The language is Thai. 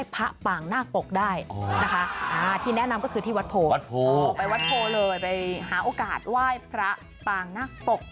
ปางนักปกนะคะคุณผู้ชมนะ